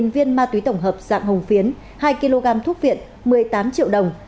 một mươi viên ma túy tổng hợp dạng hồng phiến hai kg thuốc viện một mươi tám triệu đồng